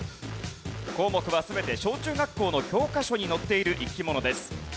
項目は全て小中学校の教科書に載っている生き物です。